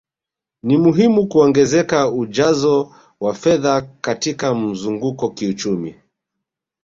Ni muhimu kuongeza ujazo wa fedha katika mzunguko kiuchumi